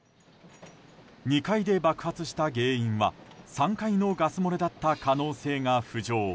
２階で爆発した原因は３階のガス漏れだった可能性が浮上。